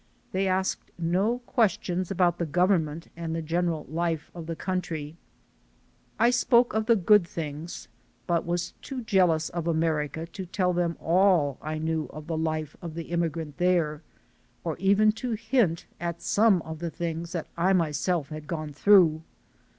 They asked no questions about the government and the general life of the country. I spoke of the good things, but was too jealous of America to tell them all I knew of the life of the immigrant there, or even to hint at some of the things that I myself had gone through.